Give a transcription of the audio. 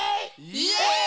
イエイ！